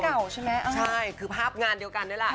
มันมีภาพเก่าใช่ไหมใช่คือภาพงานเดียวกันด้วยล่ะ